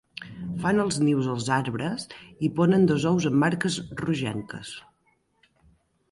Fan els nius als arbres i ponen dos ous amb marques rogenques.